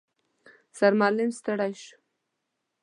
سرمعلم ستړی شو.